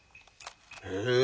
へえ。